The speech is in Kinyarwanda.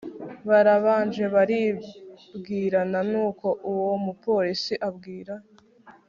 Barabanje baribwirana nuko uwo mupolice abwira